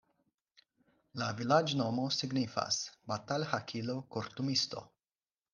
La vilaĝnomo signifas: batalhakilo-kortumisto.